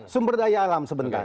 sumber daya alam sebentar